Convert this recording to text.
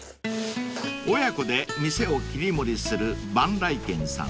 ［親子で店を切り盛りする萬来軒さん］